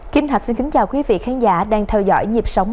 kim thạch xin kính chào quý vị khán giả đang theo dõi nhịp sóng hai mươi bốn bảy